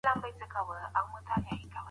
ګاونډیان به د بې عدالتۍ مخنیوی کوي.